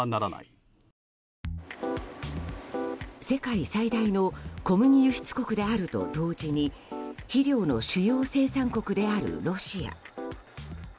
世界最大の小麦輸出国であると同時に肥料の主要生産国であるロシア。